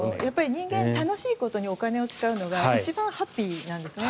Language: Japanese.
人間楽しいことにお金を使うのが一番ハッピーなんですね。